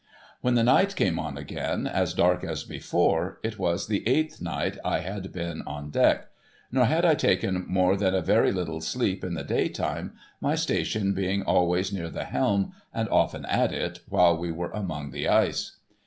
When the night came on again as dark as before, it was the eighth night I had been on deck. Nor had I taken more than a very little sleep in the day time, my station being always near the helm, and often at it, while we were among the ice.